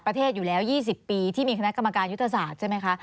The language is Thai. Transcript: ประเทศอยู่แล้ว๒๐ปีที่มีคณะกรรมการยุทธศาสตร์ใช่ไหมคะ